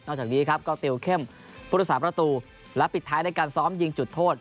จากนี้ครับก็ติวเข้มพุทธศาสตประตูและปิดท้ายในการซ้อมยิงจุดโทษ